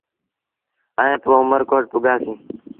ائيٚݩ پو اُمر ڪوٽ پڳآسيٚݩ۔